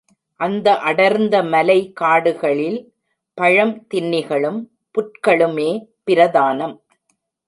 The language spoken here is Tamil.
அந்த அடர்ந்த மலை காடுகளில் பழம் தின்னிகளும் புற்களுமே பிரதானம்.